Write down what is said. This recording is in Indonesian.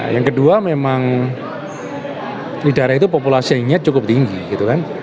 yang kedua memang di daerah itu populasi yang nyet cukup tinggi gitu kan